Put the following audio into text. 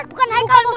bukan haikal ustadz